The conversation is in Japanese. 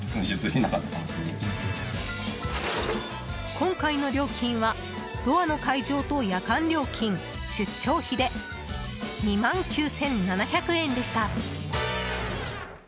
今回の料金はドアの解錠と夜間料金、出張費で２万９７００円でした。